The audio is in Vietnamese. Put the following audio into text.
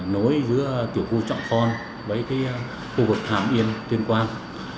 nối giữa tiểu khu trọng phon với khu vực hàm yên tuyên quang